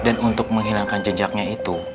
dan untuk menghilangkan jenjaknya itu